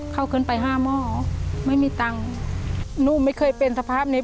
เขาขึ้นไปห้าหม้อไม่มีตังค์หนูไม่เคยเป็นสภาพนี้